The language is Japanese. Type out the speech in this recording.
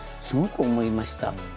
すごく思いました。